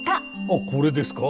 あっこれですか。